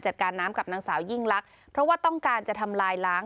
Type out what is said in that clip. การน้ำกับนางสาวยิ่งลักษณ์เพราะว่าต้องการจะทำลายล้าง